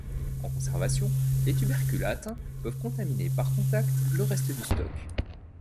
En conservation, les tubercules atteints peuvent contaminer par contact le reste du stock.